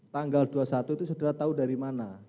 tanggal dua puluh satu itu saudara tahu dari mana